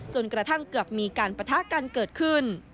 จนกระทั่งเกือบมีการปะทะกันเกิดขึ้น